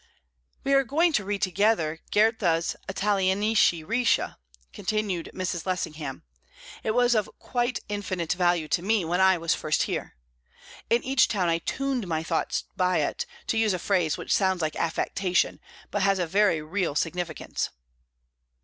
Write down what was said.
"We are going to read together Goethe's 'Italienische Reise,'" continued Mrs. Lessingham. "It was of quite infinite value to me when I first was here. In each town I tuned my thoughts by it, to use a phrase which sounds like affectation, but has a very real significance."